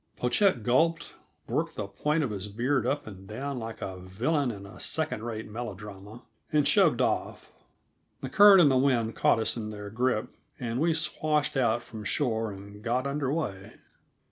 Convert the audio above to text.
Pochette gulped, worked the point of his beard up and down like a villain in a second rate melodrama, and shoved off. The current and the wind caught us in their grip, and we swashed out from shore and got under way.